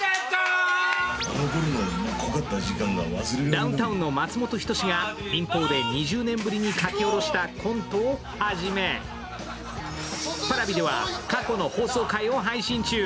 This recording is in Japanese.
ダウンタウンの松本人志が民放で２０年ぶりに書き下ろしたコントをはじめＰａｒａｖｉでは過去の放送回を配信中。